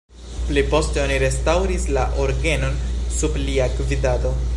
Pli poste oni restaŭris la orgenon sub lia gvidado.